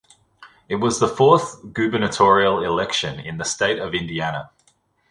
It was the fourth gubernatorial election in the State of Indiana.